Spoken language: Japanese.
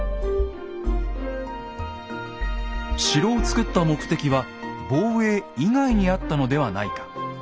城を造った目的は防衛以外にあったのではないか。